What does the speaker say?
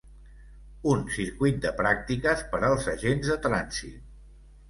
Un circuit de pràctiques per als agents de trànsit.